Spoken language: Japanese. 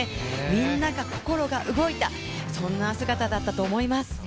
みんなが心が動いた、そんな姿だったと思います。